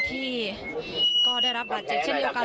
ที่ก็ได้รับบาดเจ็บเช่นเดียวกัน